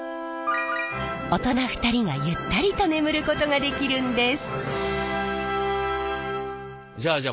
大人２人がゆったりと眠ることができるんです。